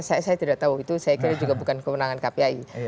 saya tidak tahu itu saya kira juga bukan kewenangan kpi